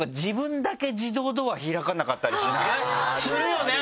するよね？